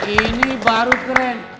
ini baru keren